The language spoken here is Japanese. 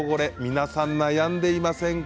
皆さん、悩んでいませんか？